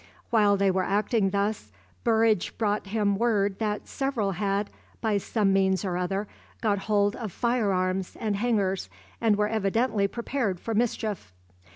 While they were acting thus, Burridge brought him word that several had, by some means or other, got hold of fire arms and hangers, and were evidently prepared for mischief.